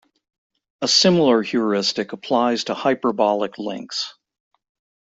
A similar heuristic applies to hyperbolic links.